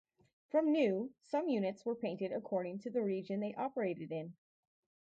From new, some units were painted according to the region they operated in.